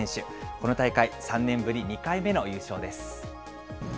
この大会３年ぶり２回目の優勝です。